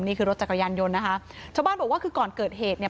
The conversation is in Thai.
นี่คือรถจักรยานยนต์นะคะชาวบ้านบอกว่าคือก่อนเกิดเหตุเนี่ย